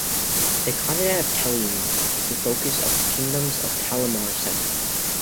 The continent of Tellene is the focus of the "Kingdoms of Kalamar" setting.